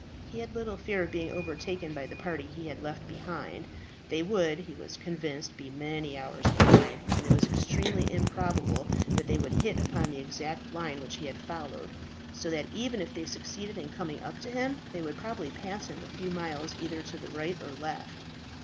He had little fear of being overtaken by the party he had left behind; they would, he was convinced, be many hours behind, and it was extremely improbable that they would hit upon the exact line which he had followed, so that even if they succeeded in coming up to him, they would probably pass him a few miles either to the right or left.